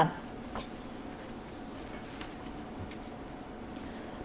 tòa nhân dân